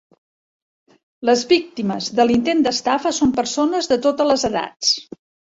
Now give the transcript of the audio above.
Les víctimes de l'intent d'estafa són persones de totes les edats